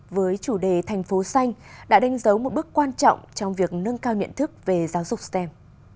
với chủ đề thành phố xanh đã đánh dấu một bước quan trọng trong việc nâng cao nhận thức về giáo dục stem